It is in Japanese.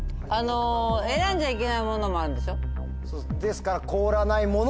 選んじゃいけないものもあるんでしょ？ですから。